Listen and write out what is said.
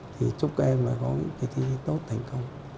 thì chúc các em có kỳ thi tốt thành công